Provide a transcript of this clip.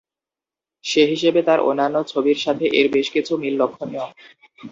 সে হিসেবে তার অন্যান্য ছবির সাথে এর বেশ কিছু মিল লক্ষ্যণীয়।